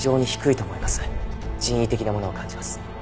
人為的なものを感じます。